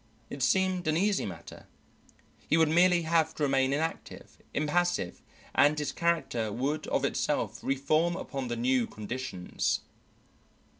It seemed an easy matter: he would merely have to remain inactive, impassive, and his character would of itself re form upon the new conditions.